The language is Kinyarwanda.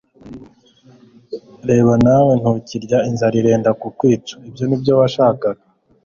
reba nawe ntukirya inzara irenda kukwica ibyo nibyo washakaga